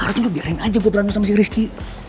harus lo biarin aja gue berantem sama si rizky